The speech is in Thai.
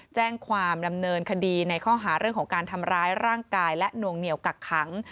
แจ้งความดำเนินคดีในข้อหาเรื่องของการทำร้ายร่างกายและนวงเหนียวกักขัง